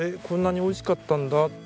こんなにおいしかったんだ。